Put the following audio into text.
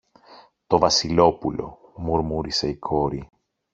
Το Βασιλόπουλο! μουρμούρισε η κόρη.